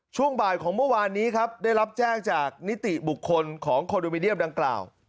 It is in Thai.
ช่วงบ่ายของเมื่อวานนี้ครับได้รับแจ้งจากนิติบุคคลของคอนโดมิเนียมดังกล่าว